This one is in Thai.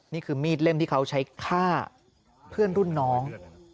นี่คือมีดเล่มที่เขาใช้ฆ่าเพื่อนรุ่นน้อง